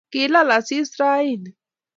kilal asis raini